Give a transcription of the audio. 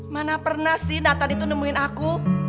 mana pernah sih nathan itu nemuin aku